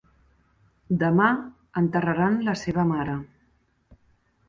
Demà enterraran la seva mare.